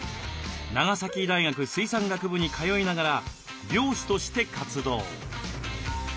長崎大学水産学部に通いながら漁師として活動。